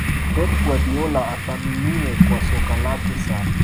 pep guardiola athaminiwe kwa Soka lake safi